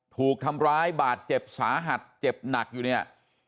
ถูกทำร้ายบาดเจ็บสาหัสเจ็บหนักอยู่เนี่ย